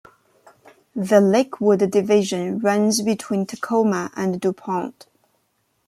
The Lakewood division runs between Tacoma and DuPont.